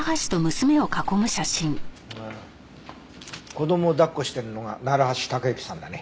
子供を抱っこしてるのが楢橋高行さんだね。